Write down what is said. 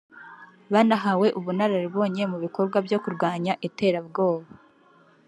Banahawe ubunararibonye mu bikorwa byo kurwanya iterabwoba